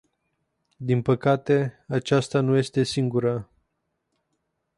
Din păcate, aceasta nu este singura.